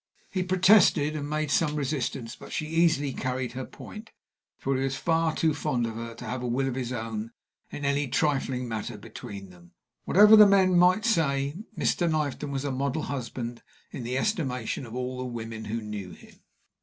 He protested and made some resistance, but she easily carried her point, for he was far too fond of her to have a will of his own in any trifling matter between them. Whatever the men might say, Mr. Knifton was a model husband in the estimation of all the women who knew him.